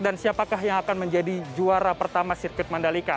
dan siapakah yang akan menjadi juara pertama sirkuit mandalika